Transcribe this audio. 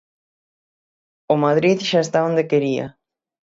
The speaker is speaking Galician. O Madrid xa está onde quería.